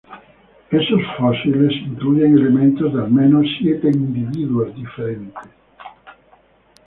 Estos fósiles incluyen elementos de al menos siete individuos diferentes.